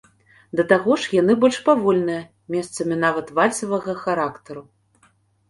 Да таго ж, яны больш павольныя, месцамі нават вальсавага характару.